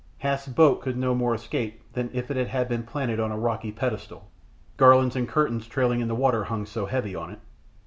Hath's boat could no more escape than if it had been planted on a rocky pedestal, garlands and curtains trailing in the water hung so heavy on it.